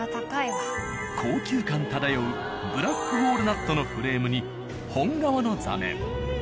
高級感漂うブラックウォールナットのフレームに本革の座面。